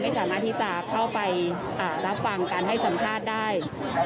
สามารถที่จะเข้าไปรับฟังการให้สัมภาษณ์ได้